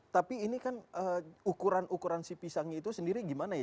tapi ini kan ukuran ukuran si pisangnya itu sendiri gimana ya